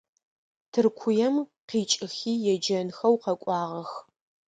Тыркуем къикIыхи еджэнхэу къэкIуагъэх.